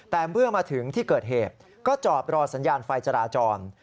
แต่เมื่อมาถึงที่เกิดเหตุก็จอดรอสัญญาณไฟจราจร